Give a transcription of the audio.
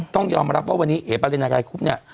ต้องยอมรับว่าวันนี้เอ๋ปารินาไกรคุบเนี่ย